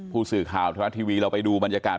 ผู้สื่อข่าวธนรัฐทีวีเราไปดูบรรยากาศ